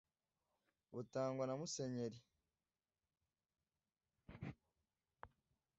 butangwa na Musenyeri «de tutelle»